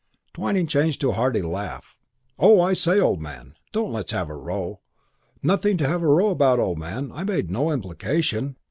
Twyning changed to a hearty laugh. "Oh, I say, steady, old man. Don't let's have a row. Nothing to have a row about, old man. I made no implication.